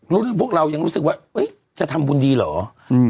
รุ่นพวกเรายังรู้สึกว่าเฮ้ยจะทำบุญดีเหรออืม